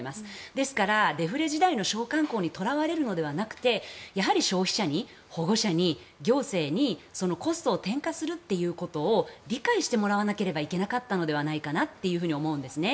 ですからデフレ時代の商慣行にとらわれるのではなくやはり消費者に、保護者に行政にコストを転嫁するということを理解してもらわなければいけなかったのではないかなと思うんですね。